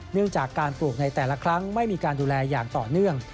เนื่องจากการปลูกในแต่ละครั้งไม่มีการดูแลอย่างต่อเนื่อง